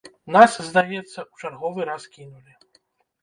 Нас, здаецца, у чарговы раз кінулі.